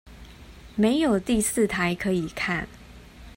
沒有第四台可以看